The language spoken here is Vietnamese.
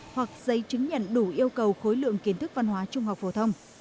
hoặc giấy chứng nhận đủ yêu cầu khối lượng kiến thức văn hóa trung học phổ thông